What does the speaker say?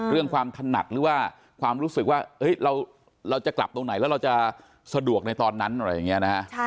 เรื่องความถนัดหรือว่าความรู้สึกว่าเราจะกลับตรงไหนแล้วเราจะสะดวกในตอนนั้นอะไรอย่างนี้นะฮะ